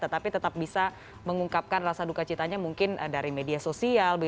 tetapi tetap bisa mengungkapkan rasa duka citanya mungkin dari media sosial